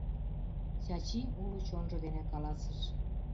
— Чачи уло чонжо дене каласыш.